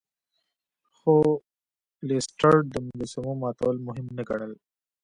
خو لیسټرډ د مجسمو ماتول مهم نه ګڼل.